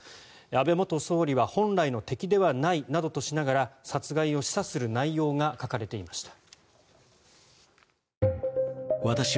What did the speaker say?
安倍元総理は本来の敵ではないなどとしながら殺害を示唆する内容が書かれていました。